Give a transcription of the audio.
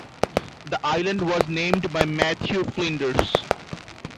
The island was named by Matthew Flinders.